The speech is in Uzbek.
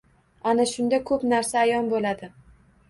Ana shunda ko`p narsa ayon bo`ladi